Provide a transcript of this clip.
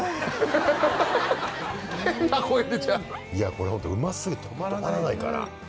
これホントうま過ぎて止まらないから。